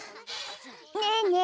ねえねえ